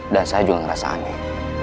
dan saya juga ngerasa aneh